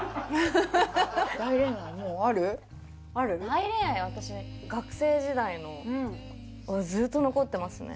大恋愛は私学生時代のずっと残ってますね